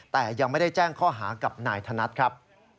แต่ยังไม่ได้แจ้งข้อหากับนายธนัดครับ